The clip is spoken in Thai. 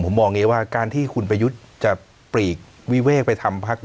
ผมมองงี้ว่าการที่คุณประยุติจะปรีกวิเวคไปทำภาค